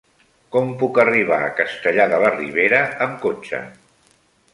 Com puc arribar a Castellar de la Ribera amb cotxe?